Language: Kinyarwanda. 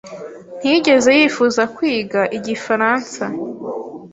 ntiyigeze yifuza kwiga igifaransa.